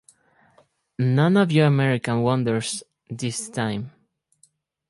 None of your American wonders, this time.